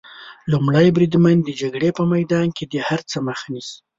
لومړی بریدمن د جګړې په میدان کې د هر څه مخه نیسي.